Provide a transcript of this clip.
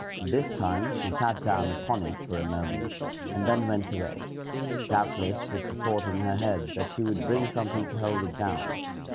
This time she sat down upon it for a moment, and then went away, doubtless with the thought in her head that she would bring something to hold it down.